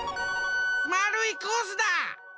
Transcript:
まるいコースだ！